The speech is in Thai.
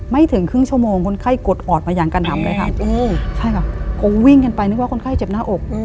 ถึงครึ่งชั่วโมงคนไข้กดออดมาอย่างกระหนำเลยค่ะใช่ค่ะคงวิ่งกันไปนึกว่าคนไข้เจ็บหน้าอก